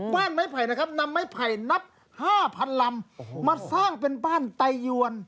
บ้านไม้ไผ่นะครับนำไม้ไผ่นับ๕๐๐ลำมาสร้างเป็นบ้านไตยวน